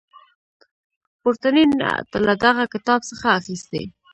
پورتنی نعت له دغه کتاب څخه اخیستی.